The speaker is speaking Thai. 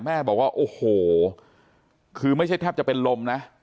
แม่บอกว่าโอ้โหคือไม่ใช่แทบจะเป็นลมนะ